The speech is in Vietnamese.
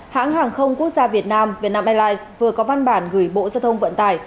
hãng hàng không quốc gia việt nam vietnam airlines vừa có văn bản gửi bộ giao thông vận tải